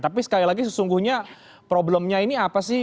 tapi sekali lagi sesungguhnya problemnya ini apa sih